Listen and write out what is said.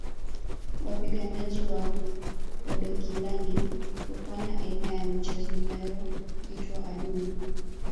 Wapiganaji wa Oodokilani hufanya aina ya michezo inayoitwa adumu